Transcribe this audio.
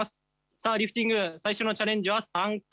さあリフティング最初のチャレンジは３回。